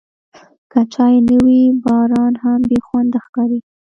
که چای نه وي، باران هم بېخونده ښکاري.